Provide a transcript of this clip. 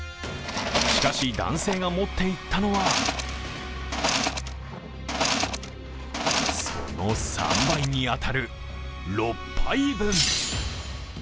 しかし男性が持っていったのはその３倍に当たる６杯分。